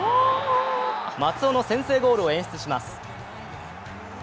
松尾の先制ゴールを演出します。